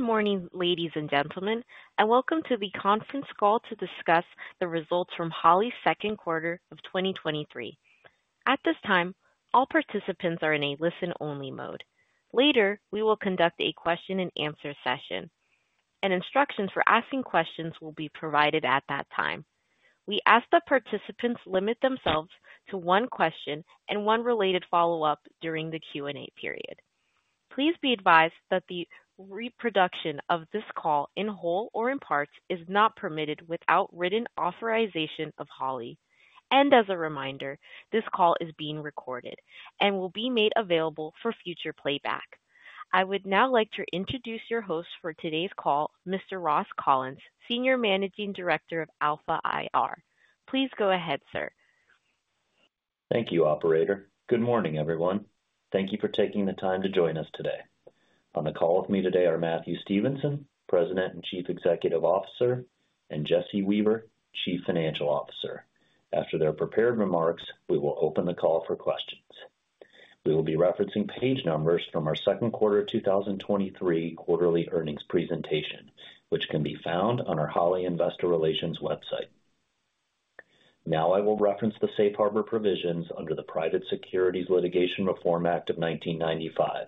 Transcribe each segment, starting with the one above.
Good morning, ladies and gentlemen, and welcome to the conference call to discuss the results from Holley's Q2 of 2023. At this time, all participants are in a listen-only mode. Later, we will conduct a question and answer session, and instructions for asking questions will be provided at that time. We ask that participants limit themselves to 1 question and 1 related follow-up during the Q&A period. Please be advised that the reproduction of this call, in whole or in part, is not permitted without written authorization of Holley. As a reminder, this call is being recorded and will be made available for future playback. I would now like to introduce your host for today's call, Mr. Ross Collins, Senior Managing Director of Alpha IR. Please go ahead, sir. Thank you, operator. Good morning, everyone. Thank you for taking the time to join us today. On the call with me today are Matthew Stevenson, President and Chief Executive Officer, and Jesse Weaver, Chief Financial Officer. After their prepared remarks, we will open the call for questions. We will be referencing page numbers from our Q2 of 2023 quarterly earnings presentation, which can be found on our Holley Investor Relations website. Now I will reference the Safe Harbor provisions under the Private Securities Litigation Reform Act of 1995.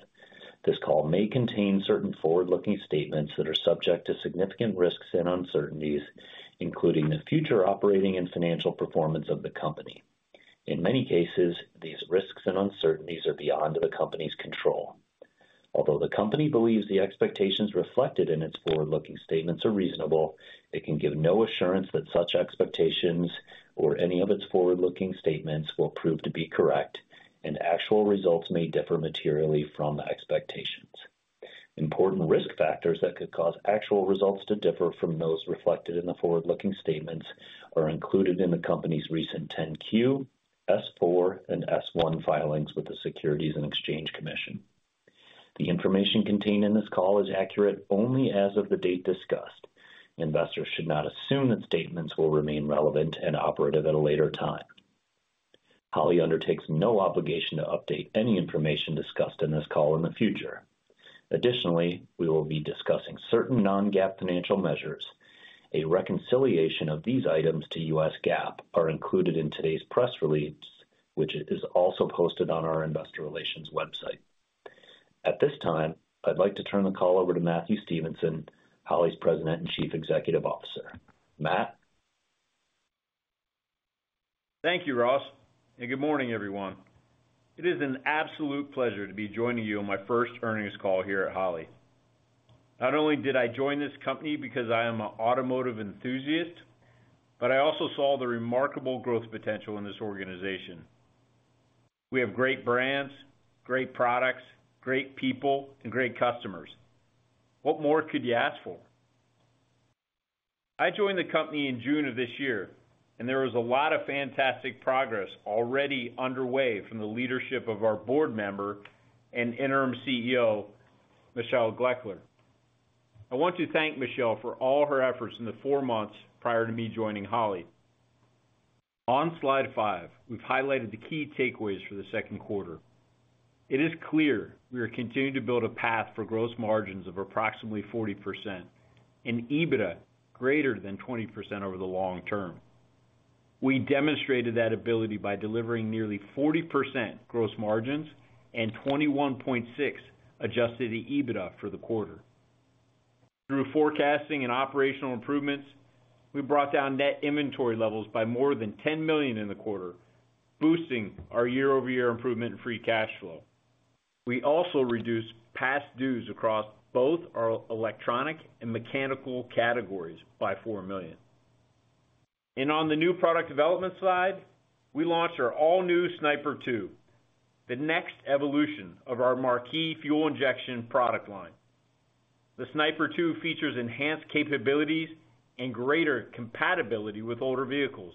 This call may contain certain forward-looking statements that are subject to significant risks and uncertainties, including the future operating and financial performance of the company. In many cases, these risks and uncertainties are beyond the company's control. Although the company believes the expectations reflected in its forward-looking statements are reasonable, it can give no assurance that such expectations or any of its forward-looking statements will prove to be correct, and actual results may differ materially from expectations. Important risk factors that could cause actual results to differ from those reflected in the forward-looking statements are included in the company's recent 10-Q, S-4, and S-1 filings with the Securities and Exchange Commission. The information contained in this call is accurate only as of the date discussed. Investors should not assume that statements will remain relevant and operative at a later time. Holley undertakes no obligation to update any information discussed in this call in the future. Additionally, we will be discussing certain non-GAAP financial measures. A reconciliation of these items to U.S. GAAP are included in today's press release, which is also posted on our investor relations website. At this time, I'd like to turn the call over to Matthew Stevenson, Holley's President and Chief Executive Officer. Matt? Thank you, Ross. Good morning, everyone. It is an absolute pleasure to be joining you on my first earnings call here at Holley. Not only did I join this company because I am an automotive enthusiast, I also saw the remarkable growth potential in this organization. We have great brands, great products, great people, and great customers. What more could you ask for? I joined the company in June of this year. There was a lot of fantastic progress already underway from the leadership of our board member and interim CEO, Michelle Gloeckler. I want to thank Michelle for all her efforts in the four months prior to me joining Holley. On slide five, we've highlighted the key takeaways for the Q2. It is clear we are continuing to build a path for gross margins of approximately 40% and EBITDA greater than 20% over the long term. We demonstrated that ability by delivering nearly 40% gross margins and 21.6% adjusted EBITDA for the quarter. Through forecasting and operational improvements, we brought down net inventory levels by more than $10 million in the quarter, boosting our year-over-year improvement in free cash flow. We also reduced past dues across both our electronic and mechanical categories by $4 million. On the new product development side, we launched our all-new Sniper 2, the next evolution of our marquee fuel injection product line. The Sniper 2 features enhanced capabilities and greater compatibility with older vehicles.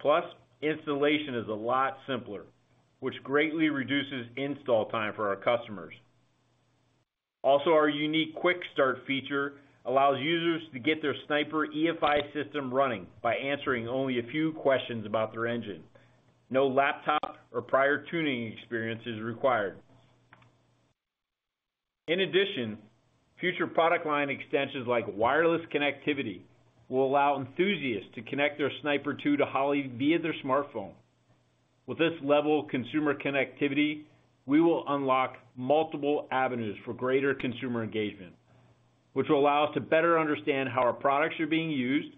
Plus, installation is a lot simpler, which greatly reduces install time for our customers. Our unique quick start feature allows users to get their Sniper EFI system running by answering only a few questions about their engine. No laptop or prior tuning experience is required. Future product line extensions like wireless connectivity will allow enthusiasts to connect their Sniper 2 to Holley via their smartphone. With this level of consumer connectivity, we will unlock multiple avenues for greater consumer engagement, which will allow us to better understand how our products are being used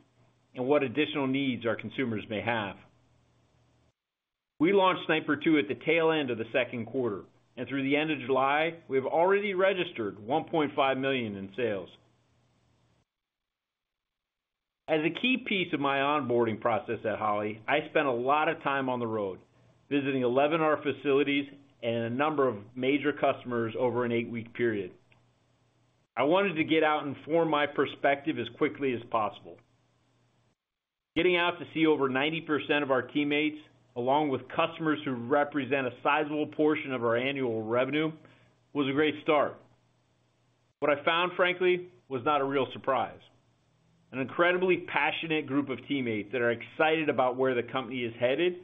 and what additional needs our consumers may have. We launched Sniper Two at the tail end of the Q2. Through the end of July, we've already registered $1.5 million in sales. As a key piece of my onboarding process at Holley, I spent a lot of time on the road, visiting 11 of our facilities and a number of major customers over an eight-week period. I wanted to get out and form my perspective as quickly as possible. Getting out to see over 90% of our teammates, along with customers who represent a sizable portion of our annual revenue, was a great start. What I found, frankly, was not a real surprise, an incredibly passionate group of teammates that are excited about where the company is headed,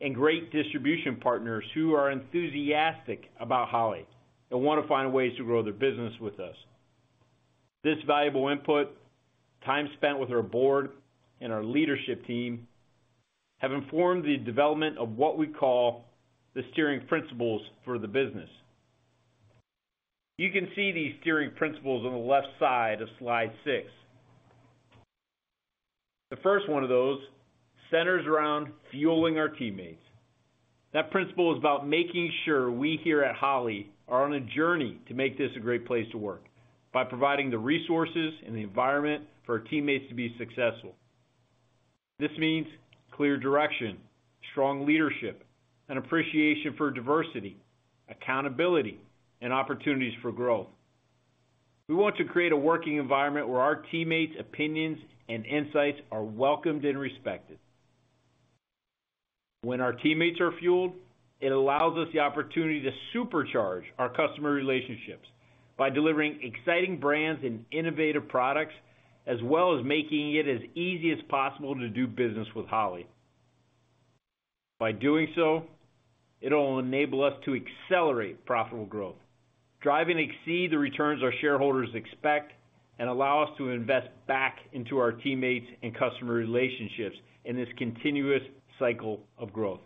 and great distribution partners who are enthusiastic about Holley and wanna find ways to grow their business with us. This valuable input, time spent with our board and our leadership team, have informed the development of what we call the steering principles for the business. You can see these steering principles on the left side of slide six. The first one of those centers around fueling our teammates. That principle is about making sure we here at Holley are on a journey to make this a great place to work, by providing the resources and the environment for our teammates to be successful. This means clear direction, strong leadership, and appreciation for diversity, accountability, and opportunities for growth. We want to create a working environment where our teammates' opinions and insights are welcomed and respected. When our teammates are fueled, it allows us the opportunity to supercharge our customer relationships by delivering exciting brands and innovative products, as well as making it as easy as possible to do business with Holley. By doing so, it'll enable us to accelerate profitable growth, drive and exceed the returns our shareholders expect, and allow us to invest back into our teammates and customer relationships in this continuous cycle of growth.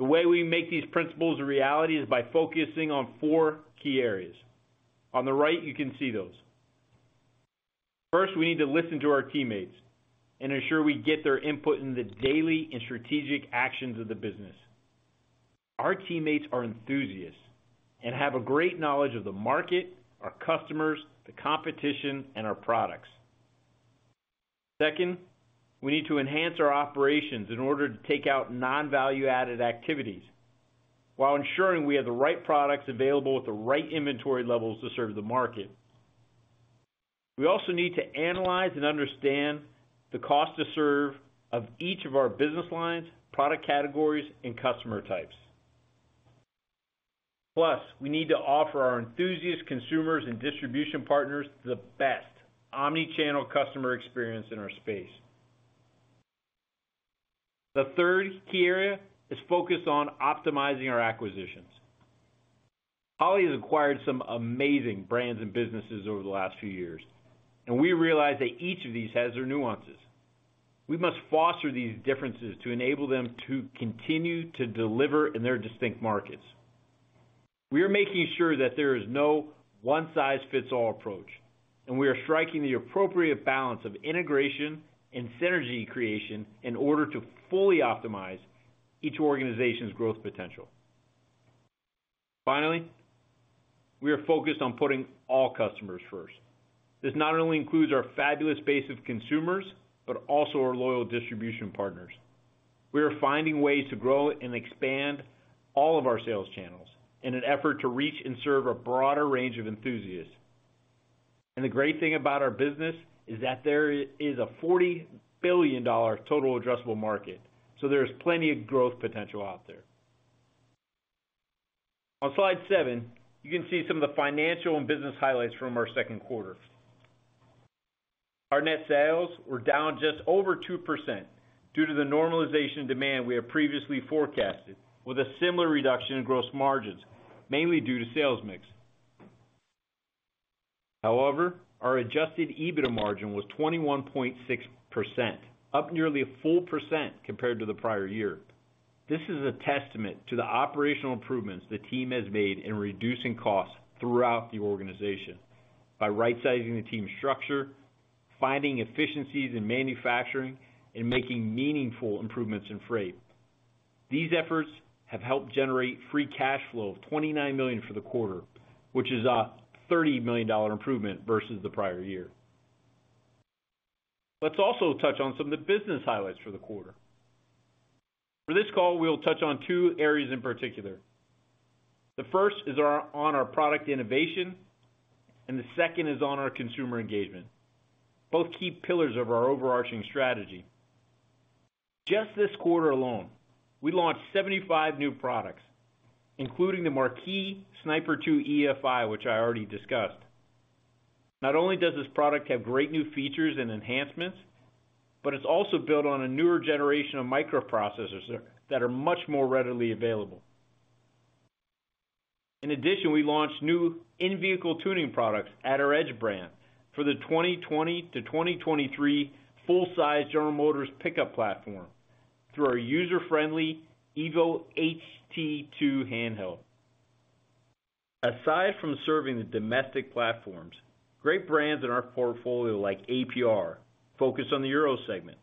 The way we make these principles a reality is by focusing on four key areas. On the right, you can see those. First, we need to listen to our teammates and ensure we get their input in the daily and strategic actions of the business. Our teammates are enthusiasts and have a great knowledge of the market, our customers, the competition, and our products. Second, we need to enhance our operations in order to take out non-value-added activities, while ensuring we have the right products available at the right inventory levels to serve the market. We also need to analyze and understand the cost to serve of each of our business lines, product categories, and customer types. We need to offer our enthusiast consumers and distribution partners the best omni-channel customer experience in our space. The third key area is focused on optimizing our acquisitions. Holley has acquired some amazing brands and businesses over the last few years, and we realize that each of these has their nuances. We must foster these differences to enable them to continue to deliver in their distinct markets. We are making sure that there is no one-size-fits-all approach, and we are striking the appropriate balance of integration and synergy creation in order to fully optimize each organization's growth potential. Finally, we are focused on putting all customers first. This not only includes our fabulous base of consumers, but also our loyal distribution partners. We are finding ways to grow and expand all of our sales channels in an effort to reach and serve a broader range of enthusiasts. The great thing about our business is that there is a $40 billion total addressable market, so there is plenty of growth potential out there. On slide seven, you can see some of the financial and business highlights from our Q2. Our net sales were down just over 2% due to the normalization demand we have previously forecasted, with a similar reduction in gross margins, mainly due to sales mix. However, our adjusted EBITDA margin was 21.6%, up nearly 1% compared to the prior year. This is a testament to the operational improvements the team has made in reducing costs throughout the organization by right-sizing the team structure, finding efficiencies in manufacturing, and making meaningful improvements in freight. These efforts have helped generate free cash flow of $29 million for the quarter, which is a $30 million improvement versus the prior year. Let's also touch on some of the business highlights for the quarter. For this call, we'll touch on two areas in particular. The first is on our product innovation, and the second is on our consumer engagement, both key pillars of our overarching strategy. Just this quarter alone, we launched 75 new products, including the marquee Sniper 2 EFI, which I already discussed. Not only does this product have great new features and enhancements, but it's also built on a newer generation of microprocessors that are much more readily available. In addition, we launched new in-vehicle tuning products at our Edge brand for the 2020-2023 full-size General Motors pickup platform through our user-friendly EVO HT2 handheld. Aside from serving the domestic platforms, great brands in our portfolio, like APR, focus on the Euro segment.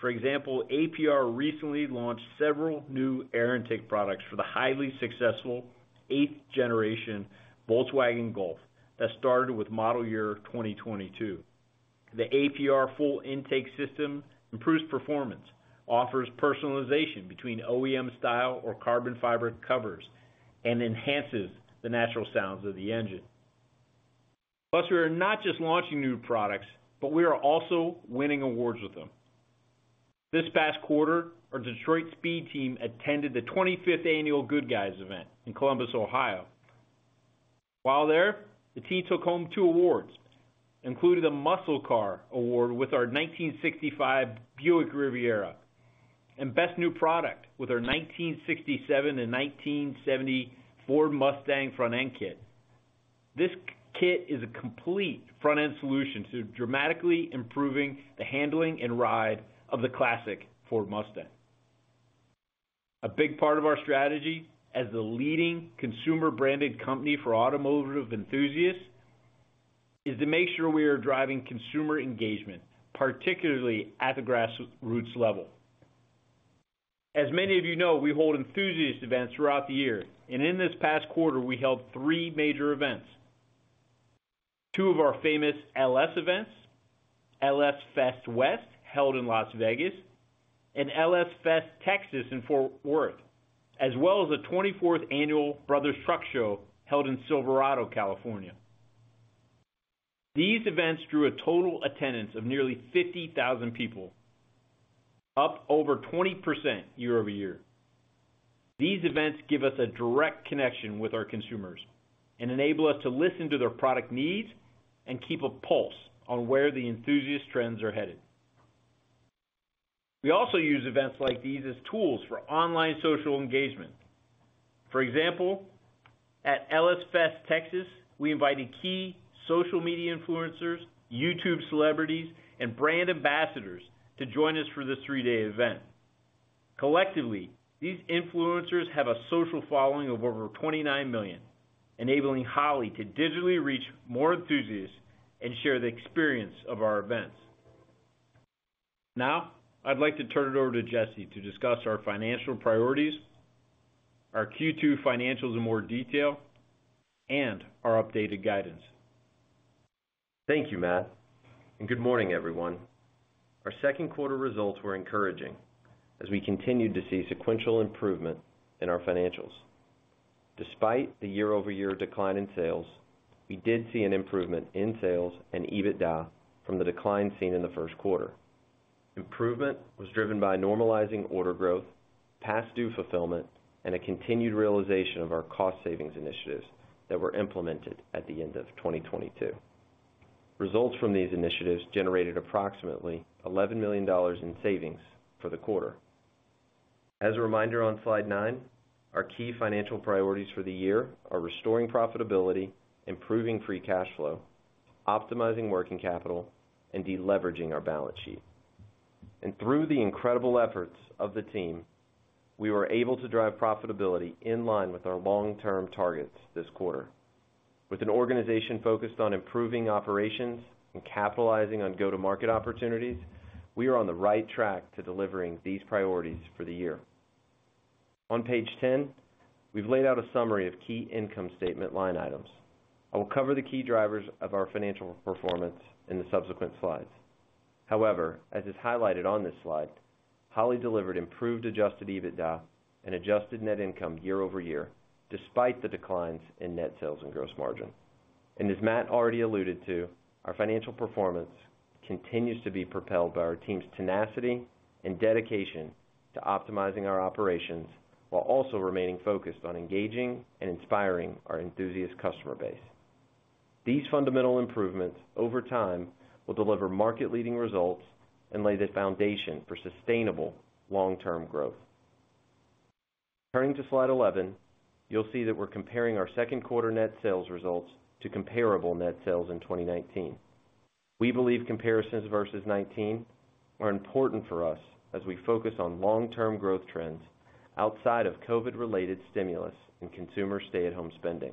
For example, APR recently launched several new air intake products for the highly successful eighth generation Volkswagen Golf that started with model year 2022. The APR full intake system improves performance, offers personalization between OEM style or carbon fiber covers, and enhances the natural sounds of the engine. Plus, we are not just launching new products, but we are also winning awards with them. This past quarter, our Detroit Speed team attended the 25th annual Goodguys event in Columbus, Ohio. While there, the team took home two awards, including the Muscle Car Award with our 1965 Buick Riviera, and Best New Product with our 1967 and 1970 Ford Mustang front end kit. This kit is a complete front-end solution to dramatically improving the handling and ride of the classic Ford Mustang. A big part of our strategy as the leading consumer-branded company for automotive enthusiasts, is to make sure we are driving consumer engagement, particularly at the grassroots level. As many of you know, we hold enthusiast events throughout the year, and in this past quarter, we held three major events. Two of our famous LS events, LS Fest West, held in Las Vegas, and LS Fest Texas in Fort Worth, as well as the 24th annual Brothers Trucks Show N' Shine, held in Silverado, California. These events drew a total attendance of nearly 50,000 people, up over 20% year-over-year. These events give us a direct connection with our consumers and enable us to listen to their product needs and keep a pulse on where the enthusiast trends are headed. We also use events like these as tools for online social engagement. For example, at LS Fest, Texas, we invited key social media influencers, YouTube celebrities, and brand ambassadors to join us for this three-day event. Collectively, these influencers have a social following of over 29 million, enabling Holley to digitally reach more enthusiasts and share the experience of our events. I'd like to turn it over to Jesse to discuss our financial priorities, our Q2 financials in more detail, and our updated guidance. Thank you, Matt. Good morning, everyone. Our Q2 results were encouraging as we continued to see sequential improvement in our financials. Despite the year-over-year decline in sales, we did see an improvement in sales and EBITDA from the decline seen in the Q1. Improvement was driven by normalizing order growth, past due fulfillment, and a continued realization of our cost savings initiatives that were implemented at the end of 2022. Results from these initiatives generated approximately $11 million in savings for the quarter. As a reminder, on Slide nine, our key financial priorities for the year are restoring profitability, improving free cash flow, optimizing working capital, and deleveraging our balance sheet. Through the incredible efforts of the team, we were able to drive profitability in line with our long-term targets this quarter. With an organization focused on improving operations and capitalizing on go-to-market opportunities, we are on the right track to delivering these priorities for the year. On Page 10, we've laid out a summary of key income statement line items. I will cover the key drivers of our financial performance in the subsequent slides. However, as is highlighted on this slide, Holley delivered improved adjusted EBITDA and adjusted net income year-over-year, despite the declines in net sales and gross margin. As Matt already alluded to, our financial performance continues to be propelled by our team's tenacity and dedication to optimizing our operations, while also remaining focused on engaging and inspiring our enthusiast customer base. These fundamental improvements over time will deliver market-leading results and lay the foundation for sustainable long-term growth. Turning to Slide 11, you'll see that we're comparing our Q2 net sales results to comparable net sales in 2019. We believe comparisons versus 2019 are important for us as we focus on long-term growth trends outside of COVID-related stimulus and consumer stay-at-home spending.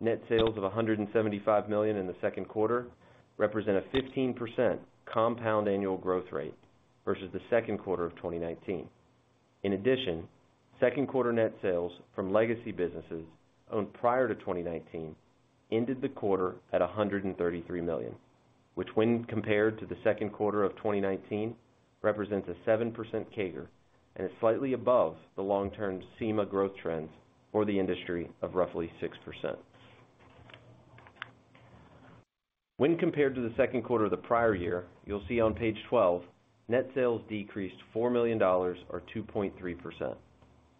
Net sales of $175 million in the Q2 represent a 15% compound annual growth rate versus the Q2 of 2019. In addition, Q2 net sales from legacy businesses owned prior to 2019 ended the quarter at $133 million, which, when compared to the Q2 of 2019, represents a 7% CAGR and is slightly above the long-term SEMA growth trends for the industry of roughly 6%. When compared to the Q2 of the prior year, you'll see on Page 12, net sales decreased $4 million, or 2.3%.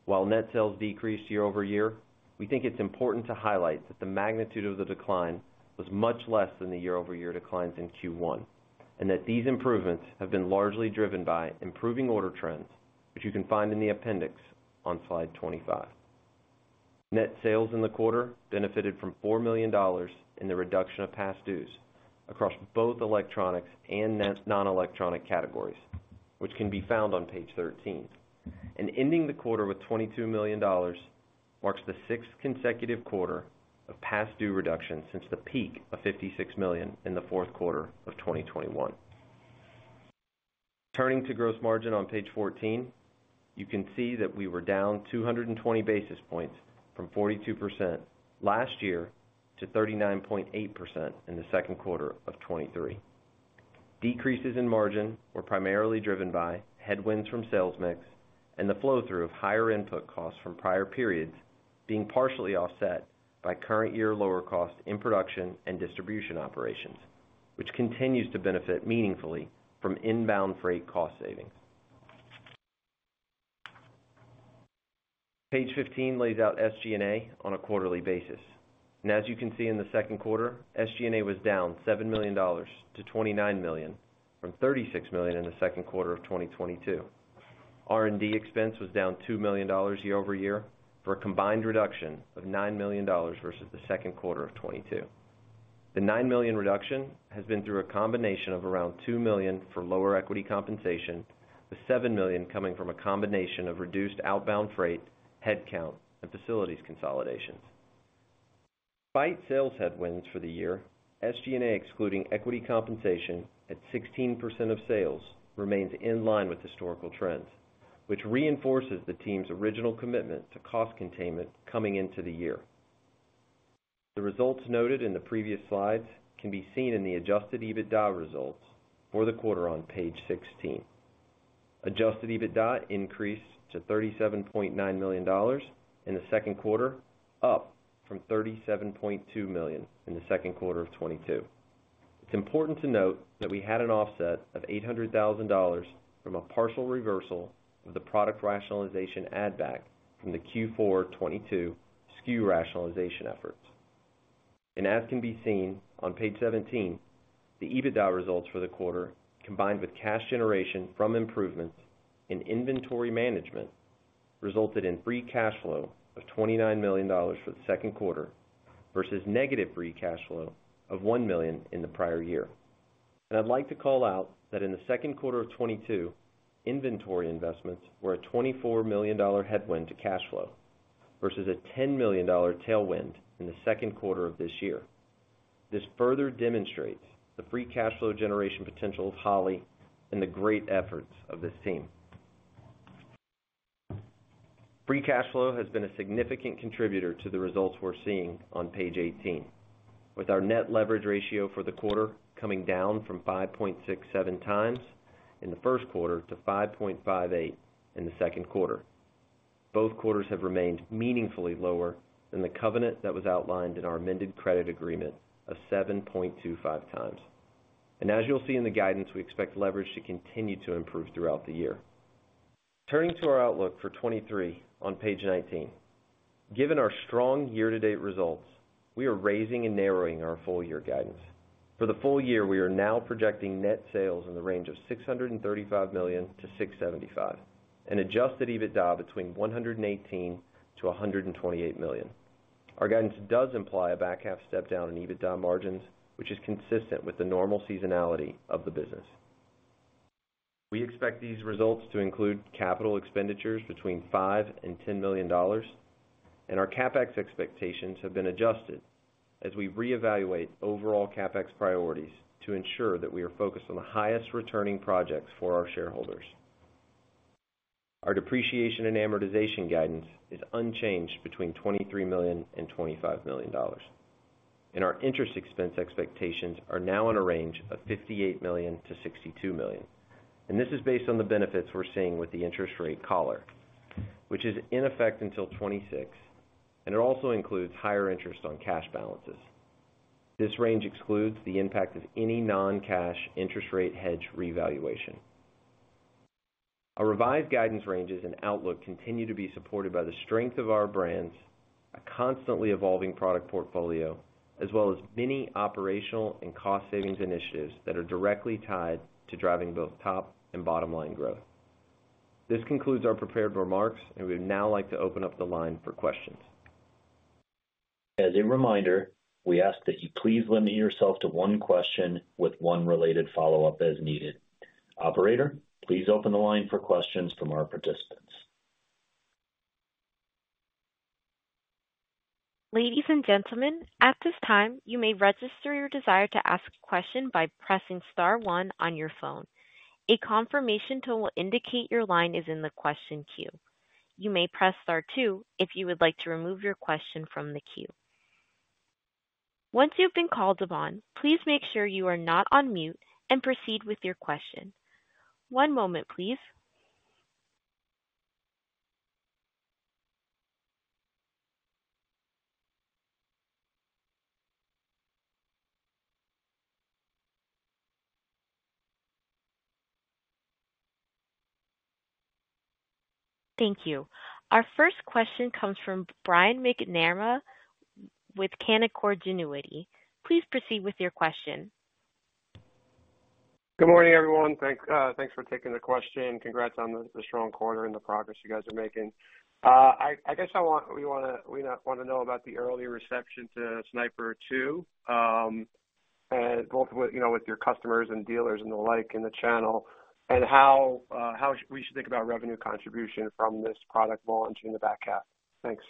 While net sales decreased year-over-year, we think it's important to highlight that the magnitude of the decline was much less than the year-over-year declines in Q1, that these improvements have been largely driven by improving order trends, which you can find in the appendix on Slide 25. Net sales in the quarter benefited from $4 million in the reduction of past dues across both electronics and net non-electronic categories, which can be found on Page 13. Ending the quarter with $22 million marks the 6th consecutive quarter of past due reductions since the peak of $56 million in theQ4 of 2021. Turning to gross margin on Page 14, you can see that we were down 220 basis points from 42% last year to 39.8% in the Q2 of 2023. Decreases in margin were primarily driven by headwinds from sales mix and the flow-through of higher input costs from prior periods, being partially offset by current year lower cost in production and distribution operations, which continues to benefit meaningfully from inbound freight cost savings. Page 15 lays out SG&A on a quarterly basis. As you can see in the Q2, SG&A was down $7 million to $29 million from $36 million in the Q2 of 2022. R&D expense was down $2 million year-over-year for a combined reduction of $9 million versus the Q2 of 2022. The $9 million reduction has been through a combination of around $2 million for lower equity compensation, with $7 million coming from a combination of reduced outbound freight, headcount, and facilities consolidations. Despite sales headwinds for the year, SG&A, excluding equity compensation at 16% of sales, remains in line with historical trends, which reinforces the team's original commitment to cost containment coming into the year. The results noted in the previous slides can be seen in the adjusted EBITDA results for the quarter on page 16. Adjusted EBITDA increased to $37.9 million in the Q2, up from $37.2 million in the Q2 of 2022. It's important to note that we had an offset of $800,000 from a partial reversal of the product rationalization add-back from the Q4 2022 SKU rationalization efforts. As can be seen on page 17, the EBITDA results for the quarter, combined with cash generation from improvements in inventory management, resulted in free cash flow of $29 million for the Q2, versus negative free cash flow of $1 million in the prior year. I'd like to call out that in the Q2 of 2022, inventory investments were a $24 million headwind to cash flow versus a $10 million tailwind in the Q2 of this year. This further demonstrates the free cash flow generation potential of Holley and the great efforts of this team. Free cash flow has been a significant contributor to the results we're seeing on page 18, with our net leverage ratio for the quarter coming down from 5.67x in the Q1 to 5.58 in the Q2. Both quarters have remained meaningfully lower than the covenant that was outlined in our amended credit agreement of 7.25 times. As you'll see in the guidance, we expect leverage to continue to improve throughout the year. Turning to our outlook for 2023 on page 19. Given our strong year-to-date results, we are raising and narrowing our full year guidance. For the full year, we are now projecting net sales in the range of $635 million-$675 million, and adjusted EBITDA between $118 million-$128 million. Our guidance does imply a back half step down in EBITDA margins, which is consistent with the normal seasonality of the business. We expect these results to include capital expenditures between $5 million and $10 million, our CapEx expectations have been adjusted as we reevaluate overall CapEx priorities to ensure that we are focused on the highest returning projects for our shareholders. Our depreciation and amortization guidance is unchanged between $23 million and $25 million. Our interest expense expectations are now in a range of $58 million to $62 million, this is based on the benefits we're seeing with the interest rate collar, which is in effect until 2026, it also includes higher interest on cash balances. This range excludes the impact of any non-cash interest rate hedge revaluation. Our revised guidance ranges and outlook continue to be supported by the strength of our brands, a constantly evolving product portfolio, as well as many operational and cost savings initiatives that are directly tied to driving both top and bottom line growth. This concludes our prepared remarks, and we'd now like to open up the line for questions. As a reminder, we ask that you please limit yourself to one question with one related follow-up as needed. Operator, please open the line for questions from our participants. Ladies and gentlemen, at this time, you may register your desire to ask a question by pressing star one on your phone. A confirmation tone will indicate your line is in the question queue. You may press star two if you would like to remove your question from the queue. Once you've been called upon, please make sure you are not on mute and proceed with your question. One moment, please. Thank you. Our first question comes from Brian McNamara with Canaccord Genuity. Please proceed with your question. Good morning, everyone. Thanks, thanks for taking the question. Congrats on the strong quarter and the progress you guys are making. I guess we wanna know about the early reception to Sniper 2, and both with, you know, with your customers and dealers and the like in the channel, and how we should think about revenue contribution from this product launch in the back half? Thanks.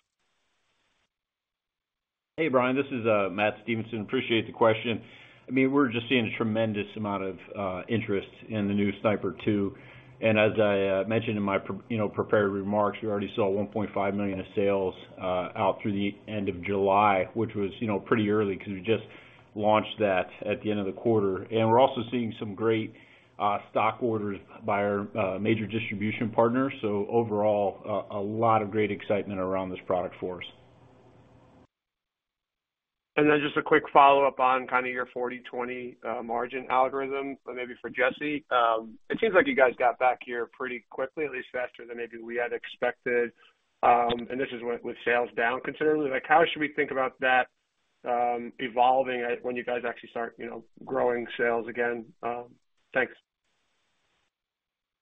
Hey, Brian, this is Matt Stevenson. Appreciate the question. I mean, we're just seeing a tremendous amount of interest in the new Sniper 2. I mentioned in my you know, prepared remarks, we already saw $1.5 million of sales out through the end of July, which was, you know, pretty early because we just launched that at the end of the quarter. We're also seeing some great stock orders by our major distribution partners. Overall, a lot of great excitement around this product for us. Then just a quick follow-up on kind of your forty/twenty, margin algorithm, maybe for Jesse. It seems like you guys got back here pretty quickly, at least faster than maybe we had expected. And this is with, with sales down considerably. Like, how should we think about that, evolving when you guys actually start, you know, growing sales again? Thanks.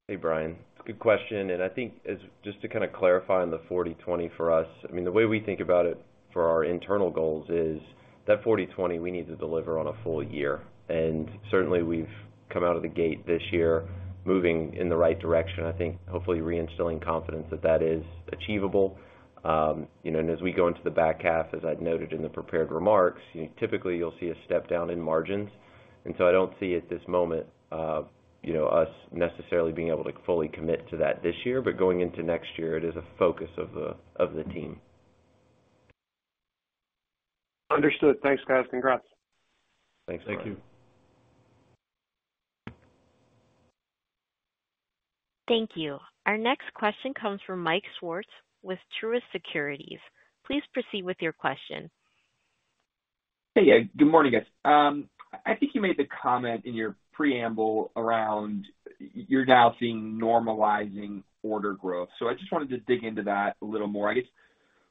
Hey, Brian, good question, and I think as just to kind of clarify on the forty/twenty for us, I mean, the way we think about it for our internal goals is that forty/twenty, we need to deliver on a full year. Certainly we've come out of the gate this year moving in the right direction. I think hopefully reinstilling confidence that that is achievable. You know, as we go into the back half, as I've noted in the prepared remarks, typically you'll see a step down in margins. So I don't see at this moment, you know, us necessarily being able to fully commit to that this year, but going into next year, it is a focus of the, of the team. Understood. Thanks, guys. Congrats. Thanks, Brian. Thank you. Thank you. Our next question comes from Mike Swartz with Truist Securities. Please proceed with your question. Hey, good morning, guys. I think you made the comment in your preamble around you're now seeing normalizing order growth. I just wanted to dig into that a little more. I guess,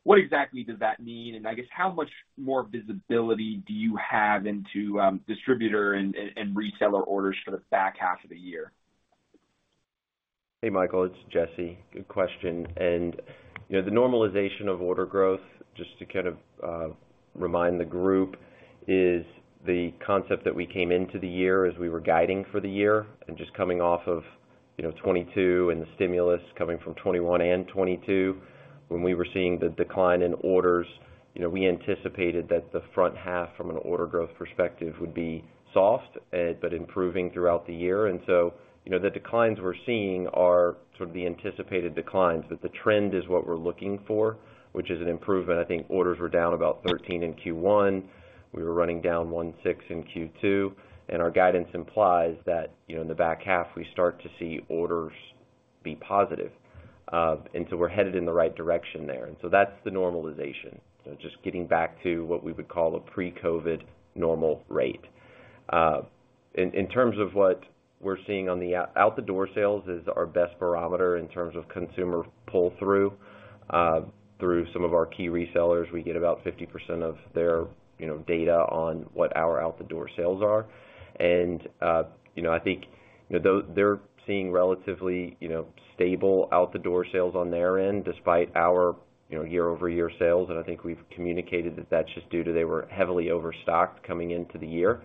what exactly does that mean? I guess, how much more visibility do you have into distributor and reseller orders for the back half of the year? Hey, Michael, it's Jesse. Good question. You know, the normalization of order growth, just to kind of remind the group, is the concept that we came into the year as we were guiding for the year and just coming off of, you know, 2022 and the stimulus coming from 2021 and 2022, when we were seeing the decline in orders, you know, we anticipated that the front half from an order growth perspective would be soft, but improving throughout the year. You know, the declines we're seeing are sort of the anticipated declines, but the trend is what we're looking for, which is an improvement. I think orders were down about 13% in Q1. We were running down 16% in Q2, and our guidance implies that, you know, in the back half, we start to see orders be positive. We're headed in the right direction there. That's the normalization. So just getting back to what we would call a pre-COVID normal rate. In terms of what we're seeing on the out-the-door sales is our best barometer in terms of consumer pull-through. Through some of our key resellers, we get about 50% of their, you know, data on what our out-the-door sales are. They're seeing relatively, you know, stable out-the-door sales on their end, despite our, you know, year-over-year sales. And I think we've communicated that that's just due to they were heavily overstocked coming into the year.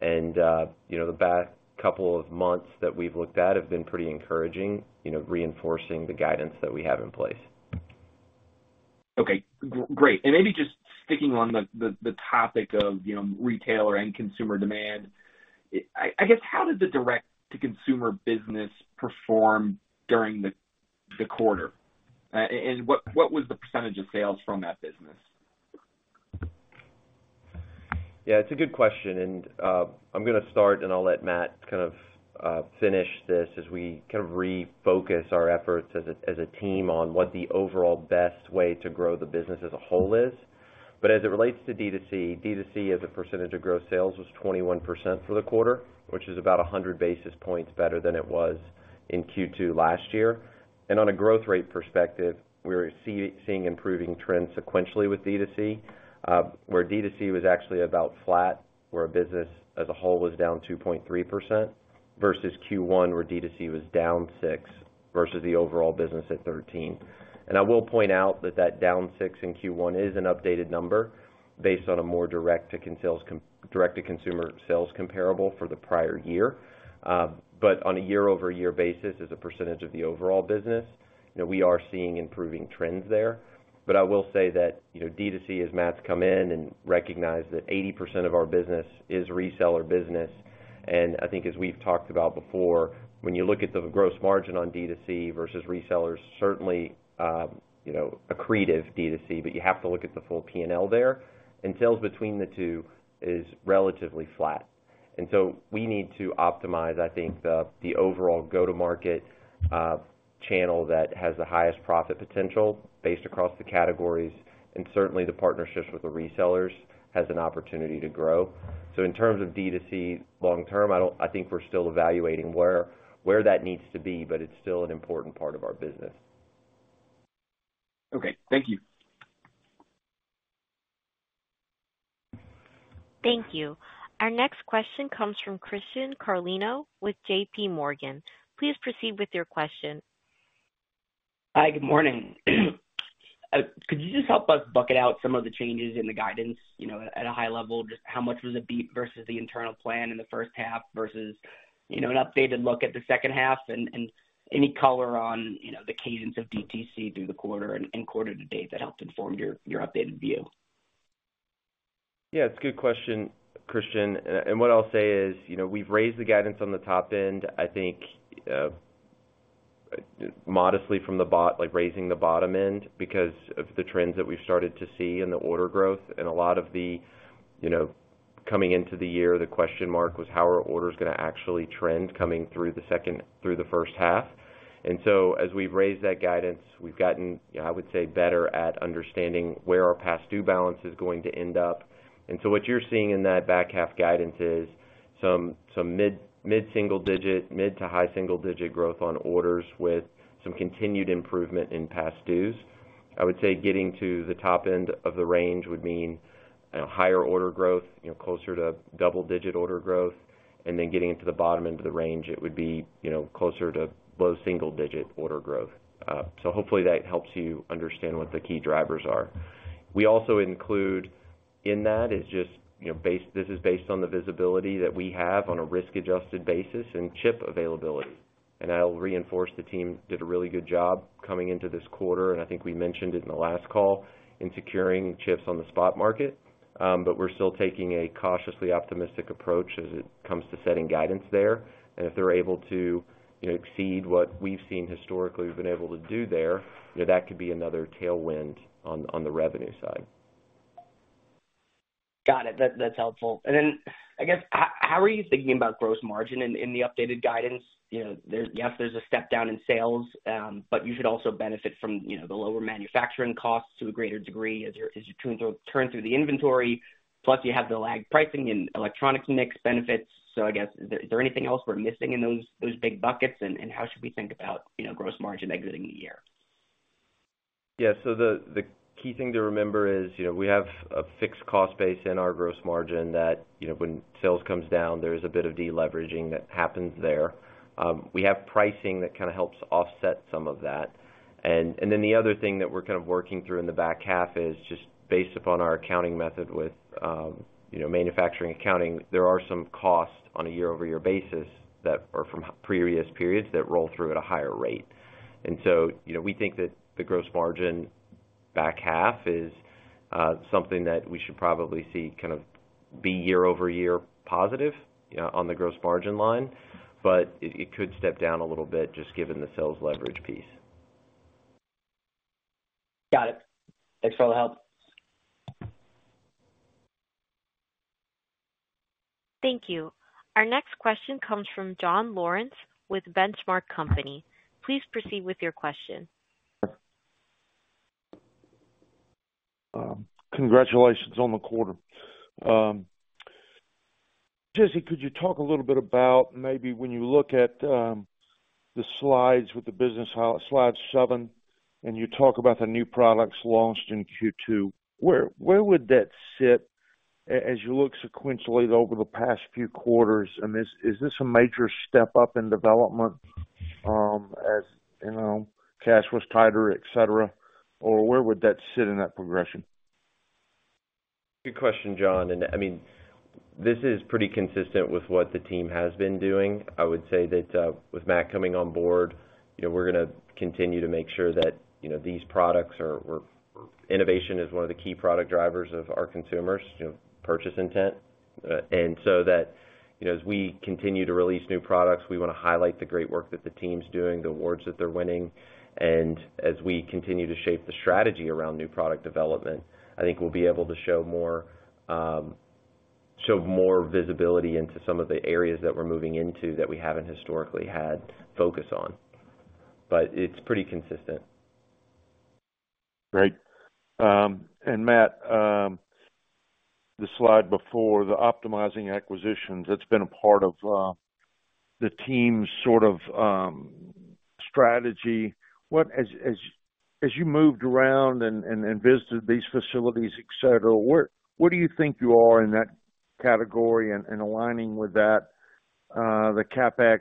The past couple of months that we've looked at have been pretty encouraging, you know, reinforcing the guidance that we have in place. Okay, great. Maybe just sticking on the topic of, you know, retailer and consumer demand. I guess, how did the direct-to-consumer business perform during the quarter? And what was the % of sales from that business? Yeah, it's a good question, I'm gonna start, and I'll let Matt kind of finish this as we kind of refocus our efforts as a team on what the overall best way to grow the business as a whole is. As it relates to D2C, D2C, as a percentage of gross sales, was 21% for the quarter, which is about 100 basis points better than it was in Q2 last year. On a growth rate perspective, we're seeing improving trends sequentially with D2C, where D2C was actually about flat, where our business as a whole was down 2.3% versus Q1, where D2C was down 6% versus the overall business at 13%. I will point out that that down 6 in Q1 is an updated number based on a more direct-to-consumer sales comparable for the prior year. On a year-over-year basis, as a percentage of the overall business, you know, we are seeing improving trends there. I will say that, you know, D2C, as Matt's come in and recognized that 80% of our business is reseller business, and I think as we've talked about before, when you look at the gross margin on D2C versus resellers, certainly, you know, accretive D2C, but you have to look at the full PNL there, and sales between the two is relatively flat. We need to optimize, I think, the, the overall go-to-market channel that has the highest profit potential based across the categories, and certainly the partnerships with the resellers has an opportunity to grow. In terms of D2C long term, I think we're still evaluating where, where that needs to be, but it's still an important part of our business. Okay, thank you. Thank you. Our next question comes from Christian Carlino with JPMorgan. Please proceed with your question. Hi, good morning. Could you just help us bucket out some of the changes in the guidance, you know, at a high level? Just how much was a beat versus the internal plan in the first half versus, you know, an updated look at the second half, and, and any color on, you know, the cadence of DTC through the quarter and, and quarter to date that helped inform your, your updated view? Yeah, it's a good question, Christian. What I'll say is, you know, we've raised the guidance on the top end. I think, modestly from the like, raising the bottom end because of the trends that we've started to see in the order growth and a lot of the, coming into the year, the question mark was how are orders going to actually trend coming through the second, through the first half? As we've raised that guidance, we've gotten, I would say, better at understanding where our past due balance is going to end up. What you're seeing in that back half guidance is some, some mid, mid-single digit, mid to high single digit growth on orders with some continued improvement in past dues. I would say getting to the top end of the range would mean higher order growth, you know, closer to double-digit order growth, and then getting into the bottom end of the range, it would be, you know, closer to low single-digit order growth. Hopefully that helps you understand what the key drivers are. We also include in that is just, you know, this is based on the visibility that we have on a risk-adjusted basis and chip availability. I'll reinforce, the team did a really good job coming into this quarter, and I think we mentioned it in the last call, in securing chips on the spot market. We're still taking a cautiously optimistic approach as it comes to setting guidance there. If they're able to, you know, exceed what we've seen historically, we've been able to do there, you know, that could be another tailwind on, on the revenue side. Got it. That's, that's helpful. I guess, how, how are you thinking about gross margin in, in the updated guidance? You know, yes, there's a step down in sales, but you should also benefit from, you know, the lower manufacturing costs to a greater degree as you turn through, turn through the inventory. Plus, you have the lag pricing and electronics mix benefits. I guess, is there, is there anything else we're missing in those, those big buckets? How should we think about, you know, gross margin exiting the year? Yeah. The, the key thing to remember is, you know, we have a fixed cost base in our gross margin that, you know, when sales comes down, there is a bit of deleveraging that happens there. We have pricing that kind of helps offset some of that. Then the other thing that we're kind of working through in the back half is just based upon our accounting method with, you know, manufacturing accounting. There are some costs on a year-over-year basis that are from previous periods that roll through at a higher rate. You know, we think that the gross margin back half is something that we should probably see kind of be year-over-year positive, you know, on the gross margin line, but it, it could step down a little bit, just given the sales leverage piece. Got it. Thanks for all the help. Thank you. Our next question comes from John Lawrence with Benchmark Company. Please proceed with your question. Congratulations on the quarter. Jesse, could you talk a little bit about maybe when you look at the slides with the business high, slide 7, and you talk about the new products launched in Q2, where, where would that sit as you look sequentially over the past few quarters? Is this a major step up in development, as, you know, cash was tighter, et cetera, or where would that sit in that progression? Good question, John. I mean, this is pretty consistent with what the team has been doing. I would say that, with Matt coming on board, you know, we're gonna continue to make sure that, you know, these products are- we're- innovation is one of the key product drivers of our consumers, you know, purchase intent. So that, you know, as we continue to release new products, we want to highlight the great work that the team's doing, the awards that they're winning. As we continue to shape the strategy around new product development, I think we'll be able to show more, show more visibility into some of the areas that we're moving into that we haven't historically had focus on. It's pretty consistent. Great. And Matt, the slide before, the optimizing acquisitions, that's been a part of the team's sort of strategy. As, as, as you moved around and and and visited these facilities, et cetera, what do you think you are in that category and aligning with that, the CapEx?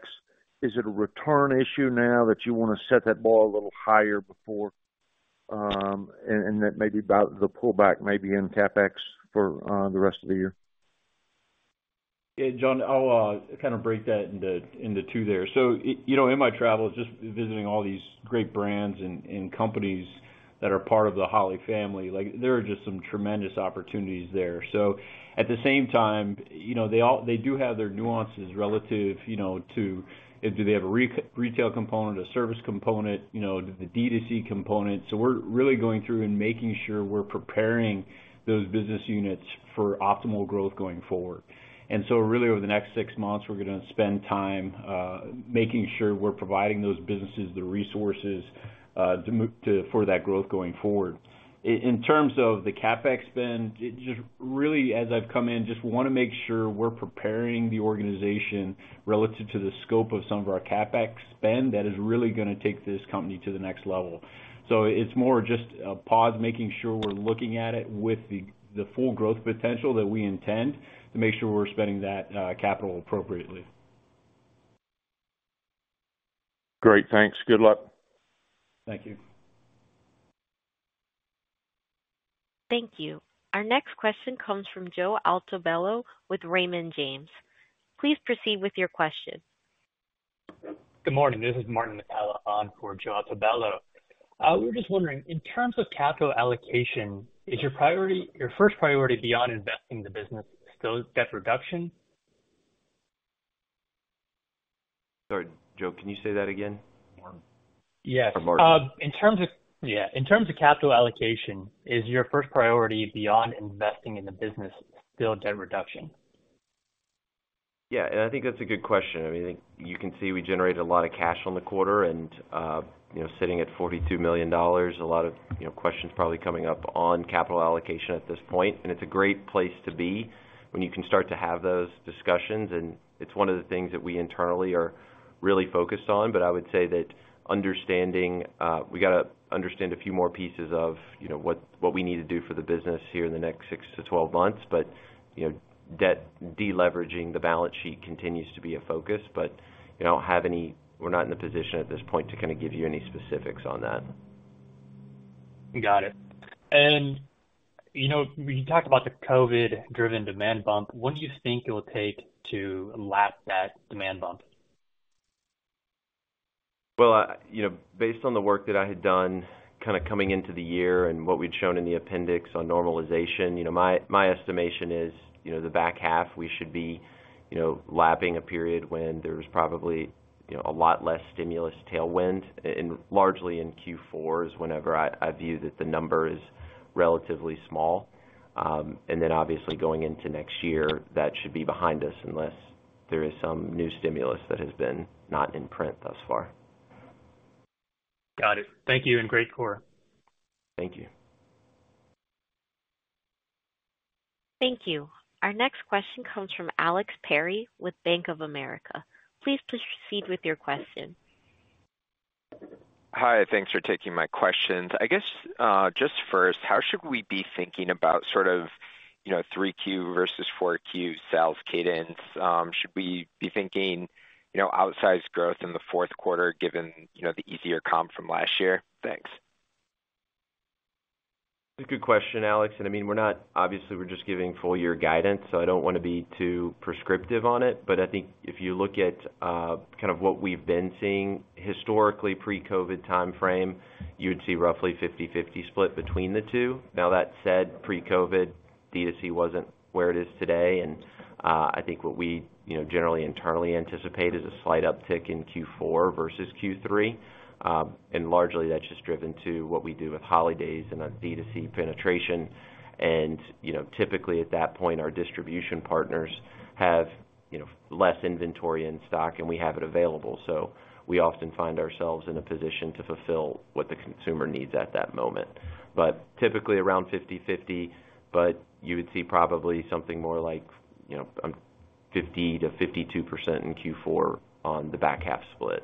Is it a return issue now that you want to set that bar a little higher before, and that may be about the pullback may be in CapEx for the rest of the year? Yeah, John, I'll kind of break that into 2 there. You know, in my travels, just visiting all these great brands and companies that are part of the Holley family, like, there are just some tremendous opportunities there. At the same time, you know, they all they do have their nuances relative, you know, to do they have a retail component, a service component, you know, the D2C component. We're really going through and making sure we're preparing those business units for optimal growth going forward. So really, over the next six months, we're gonna spend time making sure we're providing those businesses the resources to for that growth going forward. in terms of the CapEx spend, it just really, as I've come in, just want to make sure we're preparing the organization relative to the scope of some of our CapEx spend that is really gonna take this company to the next level. It's more just a pause, making sure we're looking at it with the, the full growth potential that we intend, to make sure we're spending that capital appropriately. Great. Thanks. Good luck. Thank you. Thank you. Our next question comes from Joseph Altobello with Raymond James. Please proceed with your question. Good morning. This is Martin Mitela on for Joseph Altobello. We're just wondering, in terms of capital allocation, is your priority, your first priority beyond investing in the business still debt reduction? Sorry, Joe, can you say that again? Martin? Yes. Martin. yeah, in terms of capital allocation, is your first priority beyond investing in the business still debt reduction? Yeah, I think that's a good question. I mean, you can see we generated a lot of cash on the quarter and, you know, sitting at $42 million, a lot of, you know, questions probably coming up on capital allocation at this point. It's a great place to be when you can start to have those discussions, and it's one of the things that we internally are really focused on. I would say that understanding, we gotta understand a few more pieces of, you know, what, what we need to do for the business here in the next six to 12 months. You know, debt deleveraging the balance sheet continues to be a focus, but I don't have any we're not in a position at this point to kind of give you any specifics on that. Got it. You know, when you talked about the COVID-driven demand bump, what do you think it will take to lap that demand bump? Well, I, you know, based on the work that I had done, kind of coming into the year and what we'd shown in the appendix on normalization, you know, my, my estimation is, you know, the back half, we should be, you know, lapping a period when there's probably, you know, a lot less stimulus tailwind. Largely in Q4 is whenever I, I view that the number is relatively small. Obviously going into next year, that should be behind us, unless there is some new stimulus that has been not in print thus far. Got it. Thank you. Great quarter. Thank you. Thank you. Our next question comes from Alex Perry with Bank of America. Please proceed with your question. Hi, thanks for taking my questions. I guess, just first, how should we be thinking about sort of, you know, 3Q versus 4Q sales cadence? Should we be thinking, you know, outsized growth in the Q4, given, you know, the easier comp from last year? Thanks. It's a good question, Alex. I mean, we're not -- obviously, we're just giving full year guidance, so I don't want to be too prescriptive on it. But I think if you look at kind of what we've been seeing historically, pre-COVID timeframe, you would see roughly 50/50 split between the two. Now, that said, pre-COVID, D2C wasn't where it is today, I think what we, you know, generally internally anticipate is a slight uptick in Q4 versus Q3. largely, that's just driven to what we do with holidays and on D2C penetration. you know, typically at that point, our distribution partners have, you know, less inventory in stock, and we have it available. we often find ourselves in a position to fulfill what the consumer needs at that moment. Typically around 50/50, but you would see probably something more like, you know, 50%-52% in Q4 on the back half split.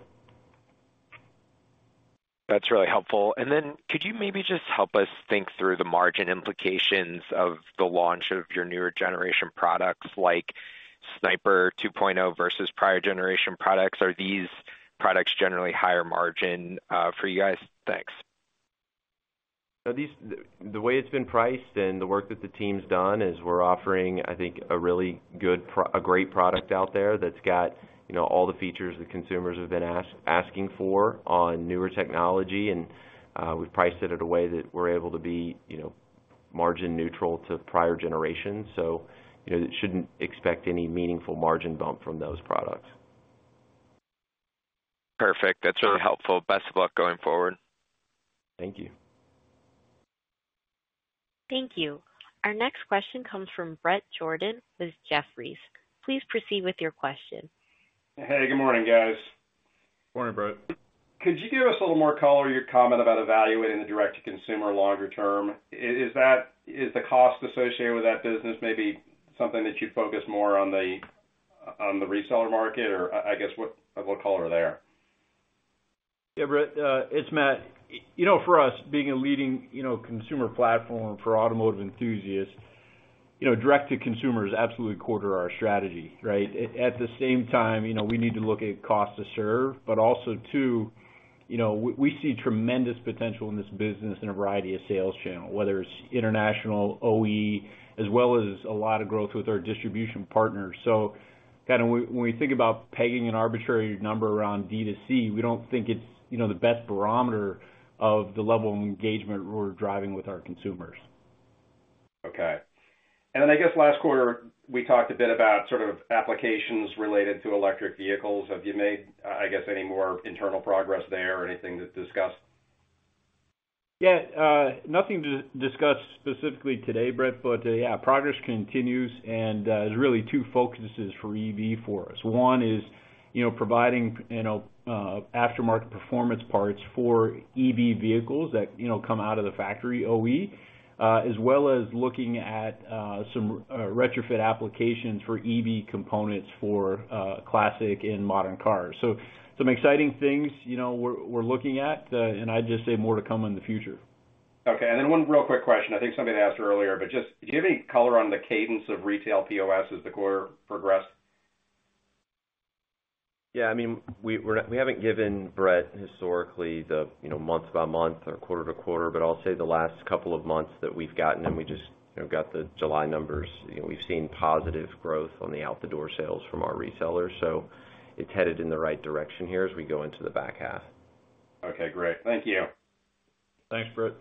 That's really helpful. Then could you maybe just help us think through the margin implications of the launch of your newer generation products, like Sniper 2 EFI versus prior generation products? Are these products generally higher margin for you guys? Thanks. The way it's been priced and the work that the team's done is we're offering, I think, a really good a great product out there that's got, you know, all the features that consumers have been asking for on newer technology, and we've priced it at a way that we're able to be, you know, margin neutral to prior generations. You know, you shouldn't expect any meaningful margin bump from those products. Perfect. Yeah. That's really helpful. Best of luck going forward. Thank you. Thank you. Our next question comes from Bret Jordan with Jefferies. Please proceed with your question. Hey, good morning, guys. Morning, Brett. Could you give us a little more color, your comment about evaluating the direct-to-consumer longer term? Is the cost associated with that business maybe something that you'd focus more on the, on the reseller market? Or I guess, what, what color there? Yeah, Bret, it's Matt. You know, for us, being a leading, you know, consumer platform for automotive enthusiasts, you know, direct to consumer is absolutely core to our strategy, right? At, at the same time, you know, we need to look at cost to serve, but also two, you know, we, we see tremendous potential in this business in a variety of sales channels, whether it's international, OE, as well as a lot of growth with our distribution partners. Kind of when, when we think about pegging an arbitrary number around D2C, we don't think it's, you know, the best barometer of the level of engagement we're driving with our consumers. Okay. I guess last quarter, we talked a bit about sort of applications related to electric vehicles. Have you made, I guess, any more internal progress there or anything to discuss? Yeah, nothing to discuss specifically today, Bret, but, yeah, progress continues, and there's really two focuses for EV for us. One is, you know, providing, you know, aftermarket performance parts for EV vehicles that, you know, come out of the factory, OE, as well as looking at some retrofit applications for EV components for classic and modern cars. So some exciting things, you know, we're, we're looking at, and I'd just say more to come in the future. Okay, one real quick question. I think somebody asked earlier, do you have any color on the cadence of retail POS as the quarter progressed? Yeah, I mean, we're not we haven't given Bret historically the, you know, month-by-month or quarter-to-quarter, but I'll say the last couple of months that we've gotten, and we just, you know, got the July numbers, you know, we've seen positive growth on the out-the-door sales from our resellers. It's headed in the right direction here as we go into the back half. Okay, great. Thank you. Thanks, Bret.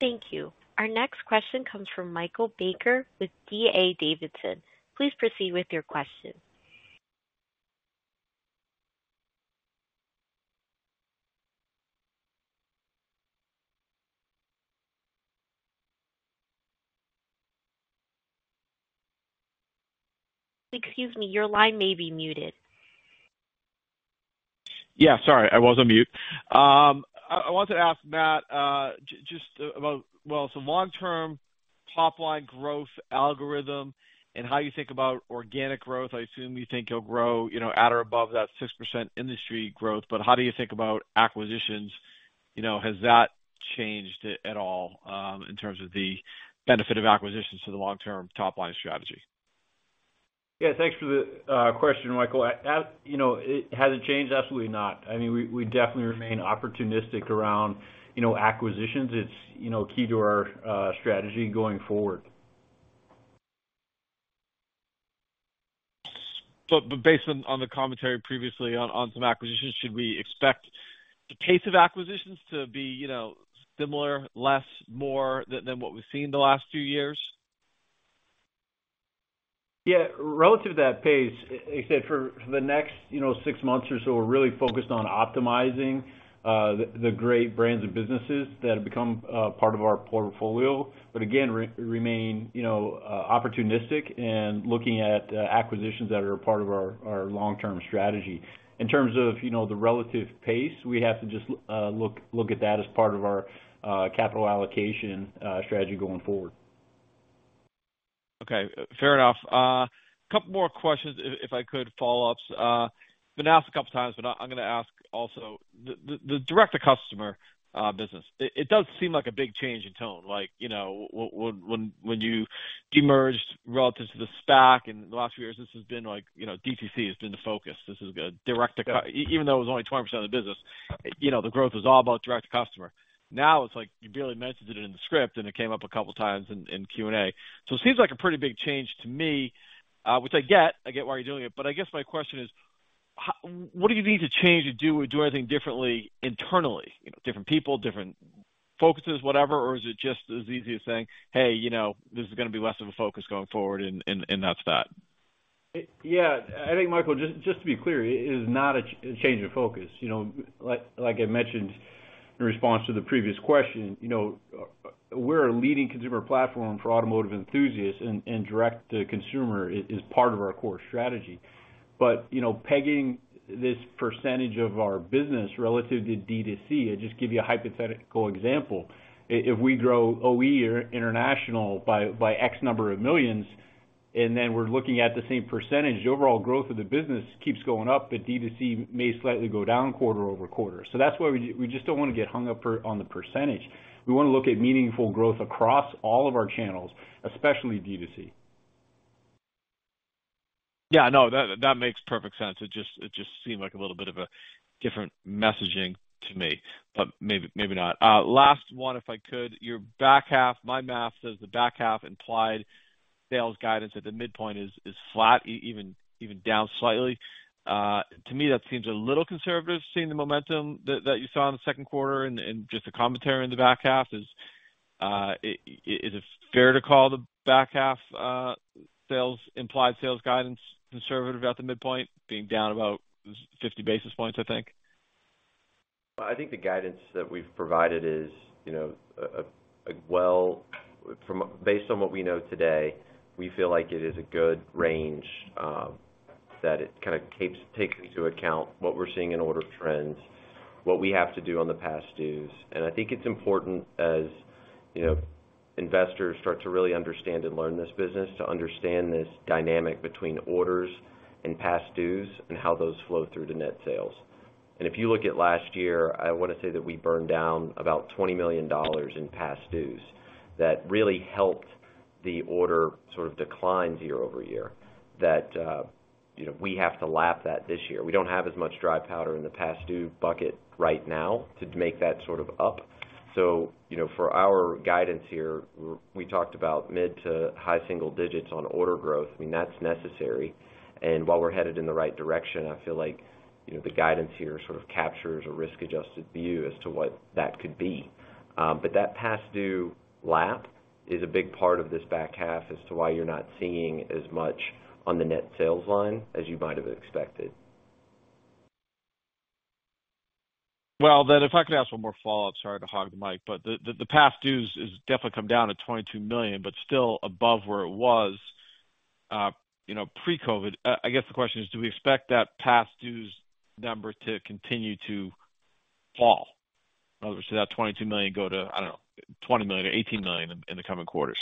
Thank you. Our next question comes from Michael Baker with D.A. Davidson. Please proceed with your question. Excuse me, your line may be muted. Yeah, sorry, I was on mute. I, I want to ask Matt, just about... Well, so long term top line growth algorithm and how you think about organic growth. I assume you think you'll grow, you know, at or above that 6% industry growth, but how do you think about acquisitions? You know, has that changed at all, in terms of the benefit of acquisitions to the long-term top line strategy? Yeah, thanks for the question, Michael. I, you know, has it changed? Absolutely not. I mean, we, we definitely remain opportunistic around, you know, acquisitions. It's, you know, key to our strategy going forward. But based on, on the commentary previously on, on some acquisitions, should we expect the pace of acquisitions to be, you know, similar, less, more than, than what we've seen in the last few years? Yeah, relative to that pace, I said for, for the next, you know, six months or so, we're really focused on optimizing, the great brands and businesses that have become, part of our portfolio, again, remain, you know, opportunistic and looking at, acquisitions that are part of our, our long-term strategy. In terms of, you know, the relative pace, we have to just, look, look at that as part of our, capital allocation, strategy going forward. Okay, fair enough. A couple more questions, if, if I could, follow-ups. Been asked a couple times, but I'm gonna ask also. The direct to customer business, it, it does seem like a big change in tone, like, you know, when you demerged relative to the stock in the last few years, this has been like, you know, DTC has been the focus. This is a direct to cu- Even though it was only 20% of the business, you know, the growth was all about direct to customer. Now, it's like you barely mentioned it in the script, and it came up a couple of times in Q&A. It seems like a pretty big change to me, which I get. I get why you're doing it. I guess my question is, what do you need to change to do or do anything differently internally? You know, different people, different focuses, whatever, or is it just as easy as saying, "Hey, you know, this is gonna be less of a focus going forward," and, and, and that's that? Yeah, I think, Michael, just, just to be clear, it is not a change of focus. You know, like, like I mentioned in response to the previous question, you know, we're a leading consumer platform for automotive enthusiasts, and, and direct to consumer is, is part of our core strategy. You know, pegging this % of our business relative to D2C, I just give you a hypothetical example. If we grow OE International by, by X number of millions, and then we're looking at the same %, the overall growth of the business keeps going up, but D2C may slightly go down quarter-over-quarter. That's why we just don't want to get hung up on the %. We want to look at meaningful growth across all of our channels, especially D2C. Yeah, no, that, that makes perfect sense. It just, it just seemed like a little bit of a different messaging to me, but maybe, maybe not. last one, if I could. Your back half... My math says the back half implied sales guidance at the midpoint is, is flat, even, even down slightly. to me, that seems a little conservative, seeing the momentum that, that you saw in the Q2 and, and just the commentary in the back half. Is it fair to call the back half, sales, implied sales guidance conservative at the midpoint, being down about 50 basis points, I think? I think the guidance that we've provided is, you know, based on what we know today, we feel like it is a good range that it kind of takes into account what we're seeing in order trends, what we have to do on the past dues. I think it's important, as, you know, investors start to really understand and learn this business, to understand this dynamic between orders and past dues and how those flow through to net sales. If you look at last year, I want to say that we burned down about $20 million in past dues. That really helped the order sort of decline year-over-year, that, you know, we have to lap that this year. We don't have as much dry powder in the past due bucket right now to make that sort of up. You know, for our guidance here, we talked about mid to high single digits on order growth. I mean, that's necessary, and while we're headed in the right direction, I feel like, you know, the guidance here sort of captures a risk-adjusted view as to what that could be. But that past due lap is a big part of this back half as to why you're not seeing as much on the net sales line as you might have expected. If I could ask one more follow-up, sorry to hog the mic, but the, the, the past dues has definitely come down to $22 million, but still above where it was, you know, pre-COVID. I guess the question is: Do we expect that past dues number to continue to fall? In other words, so that $22 million go to, I don't know, $20 million or $18 million in, in the coming quarters,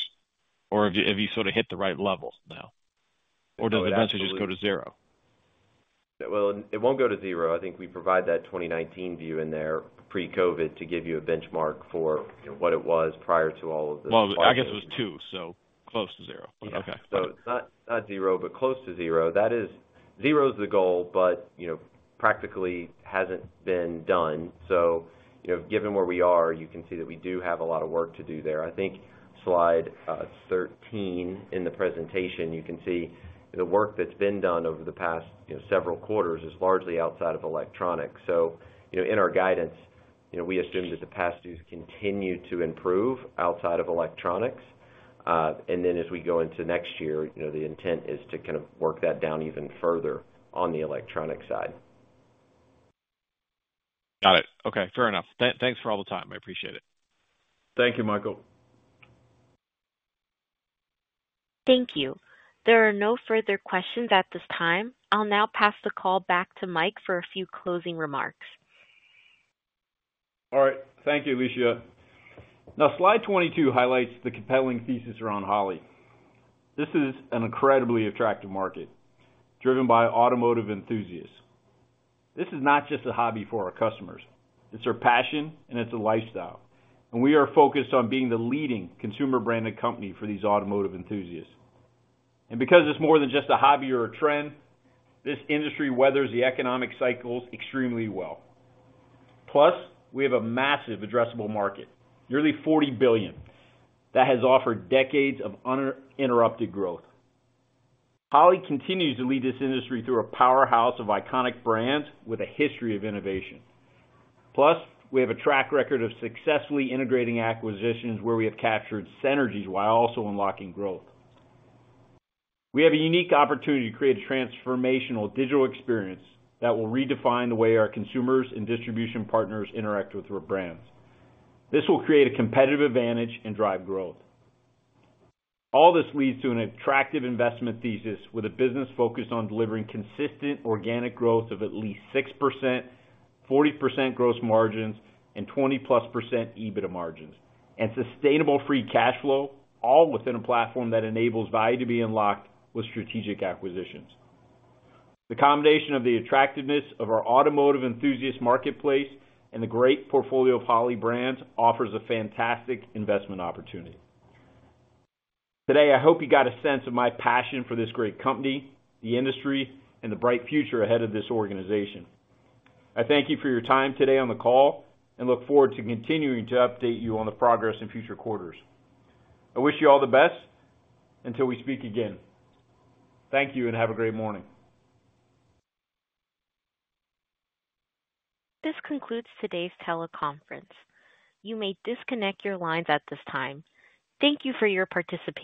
or have you, have you sort of hit the right level now? Does it eventually just go to zero? Well, it won't go to zero. I think we provide that 2019 view in there, pre-COVID, to give you a benchmark for what it was prior to all of this. Well, I guess it was two, so close to zero. Okay. It's not, not zero, but close to zero. That is. Zero is the goal, but, you know, practically hasn't been done. You know, given where we are, you can see that we do have a lot of work to do there. I think slide 13 in the presentation, you can see the work that's been done over the past, you know, several quarters is largely outside of electronics. You know, in our guidance, you know, we assume that the past dues continue to improve outside of electronics. Then as we go into next year, you know, the intent is to kind of work that down even further on the electronic side. Got it. Okay, fair enough. Thanks for all the time. I appreciate it. Thank you, Michael. Thank you. There are no further questions at this time. I'll now pass the call back to Mike for a few closing remarks. All right. Thank you, Elisha. Now, slide 22 highlights the compelling thesis around Holley. This is an incredibly attractive market, driven by automotive enthusiasts. This is not just a hobby for our customers, it's their passion, and it's a lifestyle. We are focused on being the leading consumer-branded company for these automotive enthusiasts. Because it's more than just a hobby or a trend, this industry weathers the economic cycles extremely well. Plus, we have a massive addressable market, nearly $40 billion, that has offered decades of uninterrupted growth. Holley continues to lead this industry through a powerhouse of iconic brands with a history of innovation. Plus, we have a track record of successfully integrating acquisitions where we have captured synergies while also unlocking growth. We have a unique opportunity to create a transformational digital experience that will redefine the way our consumers and distribution partners interact with our brands. This will create a competitive advantage and drive growth. All this leads to an attractive investment thesis with a business focused on delivering consistent organic growth of at least 6%, 40% gross margins, and 20%+ EBITDA margins, and sustainable free cash flow, all within a platform that enables value to be unlocked with strategic acquisitions. The combination of the attractiveness of our automotive enthusiast marketplace and the great portfolio of Holley brands offers a fantastic investment opportunity. Today, I hope you got a sense of my passion for this great company, the industry, and the bright future ahead of this organization. I thank you for your time today on the call, and look forward to continuing to update you on the progress in future quarters. I wish you all the best until we speak again. Thank you, and have a great morning. This concludes today's teleconference. You may disconnect your lines at this time. Thank you for your participation.